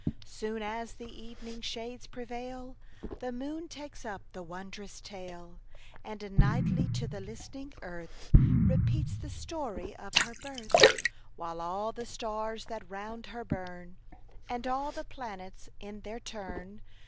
Soon as the evening shades prevail, The moon takes up the wondrous tale. And nightly to the listening earth Repeats the story of her birth : While all the stars that round her burn, And all the planets in their turn.